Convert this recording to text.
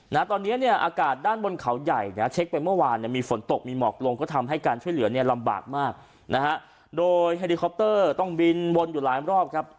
นะตอนเนี้ยเนี่ยอากาศด้านบนเขาใหญ่นะเช็คไปเมื่อวานเนี่ยมีฝนตกมีหมอกลงก็ทำให้การช่วยเหลือเนี่ยลำบากมากนะฮะโดยเฮลิคอปเตอร์ต้องบินวนอยู่หลายรอบครับ